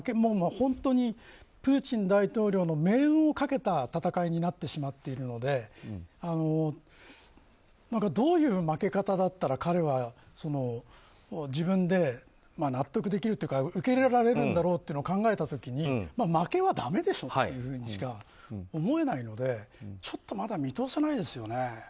プーチン大統領の命運をかけた戦いになってしまっているのでどういう負け方だったら彼は自分で納得できるというか受け入れられるんだろうと考えた時に負けはだめでしょっていうふうにしか思えないのでちょっとまだ見通せないですよね。